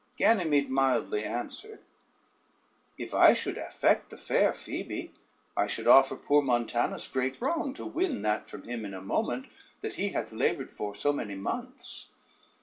Ganymede mildly answered: "If I should affect the fair Phoebe, I should offer poor Montanus great wrong to win that from him in a moment, that he hath labored for so many months.